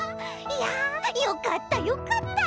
いやよかったよかった！